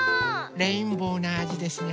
レインボーなあじですね。